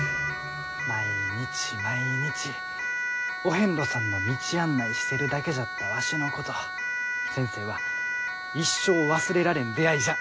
毎日毎日お遍路さんの道案内してるだけじゃったわしのこと先生は「一生忘れられん出会いじゃ」